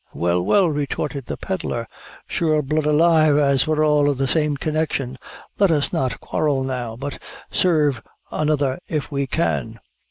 "Well, well," retorted the pedlar, "sure blood alive, as we're all of the same connection, let us not quarrel now, but sarve another if we can.